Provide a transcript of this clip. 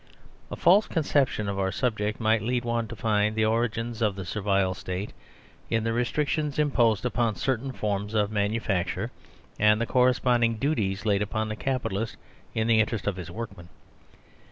A false conception of our subject might lead one to find the origins of the Servile State in the restric tions imposed upon certain forms of manufacture, and the corresponding duties laid upon the Capital ist in the interest of his workmen.